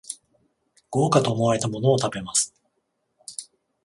豪華と思われたものを食べます